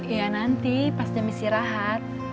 iya nanti pas jam isi rahat